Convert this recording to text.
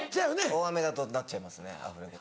大雨だとなっちゃいますねアフレコ。